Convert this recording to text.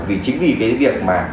vì chính vì cái việc mà